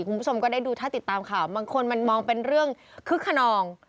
คุณผู้ชมก็ได้ดูถ้าติดตามข่าวบางคนมันมองเป็นเรื่องคึกขนอง